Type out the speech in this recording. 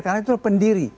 karena itu pendiri